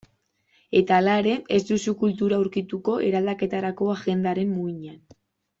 Eta hala ere, ez duzu kultura aurkituko eraldaketarako agendaren muinean.